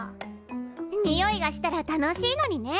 においがしたら楽しいのにね。